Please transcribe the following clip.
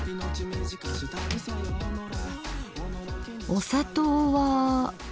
お砂糖は。